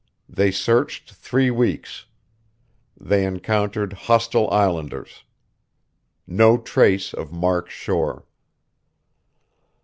They searched three weeks. They encountered hostile islanders. No trace of Mark Shore."